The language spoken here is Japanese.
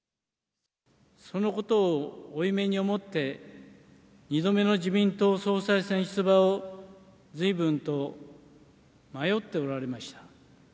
そのことを負い目に思って、２度目の自民党総裁選出馬をずいぶんと迷っておられました。